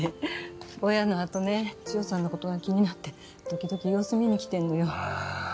ボヤのあとねチヨさんのことが気になって時々様子見に来てんのよ。